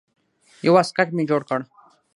يو واسکټ مې جوړ کړ.